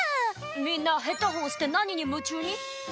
みんなヘッドホンして何に夢中に？